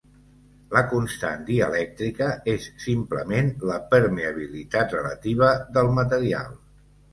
La constant dielèctrica és simplement la permeabilitat relativa del material.